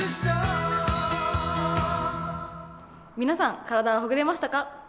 皆さん、体はほぐれましたか？